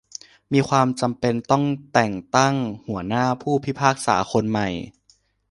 มีความจำเป็นต้องแต่งตั้งหัวหน้าผู้พิพากษาคนใหม่